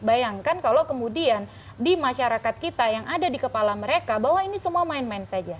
bayangkan kalau kemudian di masyarakat kita yang ada di kepala mereka bahwa ini semua main main saja